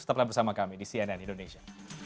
tetaplah bersama kami di cnn indonesia